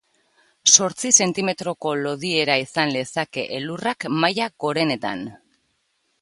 Zortzi zentimetroko lodiera izan lezake elurrak maila gorenetan.